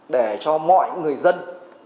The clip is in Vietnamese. để cho mọi người dân